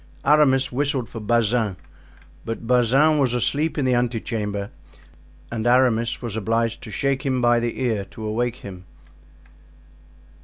Aramis whistled for Bazin, but Bazin was asleep in the ante chamber, and Aramis was obliged to shake him by the ear to awake him.